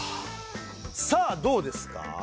さあどうですか？